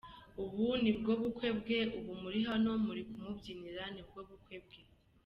Ubu nibwo bukwe bwe, ubu muri hano muri kumubyinira, nibwo bukwe bwe.